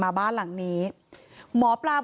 หมาก็เห่าตลอดคืนเลยเหมือนมีผีจริง